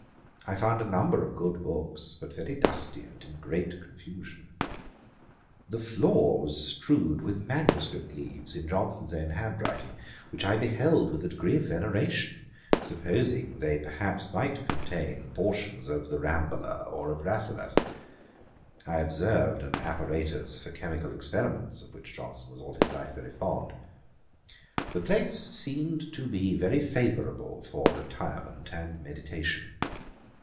I found a number of good books, but very dusty and in great confusion. The floor was strewed with manuscript leaves, in Johnson's own hand writing, which I beheld with a degree of veneration, supposing they perhaps might contain portions of The Rambler or of Rasselas. I observed an apparatus for chymical experiments, of which Johnson was all his life very fond. The place seemed to be very favourable for retirement and meditation.